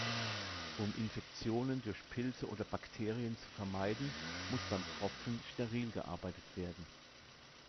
Um Infektionen durch Pilze oder Bakterien zu vermeiden, muss beim Pfropfen steril gearbeitet werden.